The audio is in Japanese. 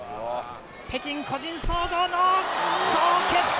北京個人総合の総決算！